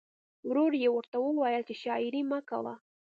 ورور یې ورته وویل چې شاعري مه کوه